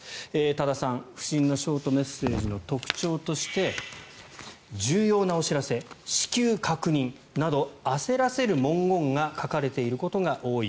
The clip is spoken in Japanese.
多田さん、不審なショートメッセージの特徴として重要なお知らせ、至急確認など焦らせる文言が書かれていることが多い。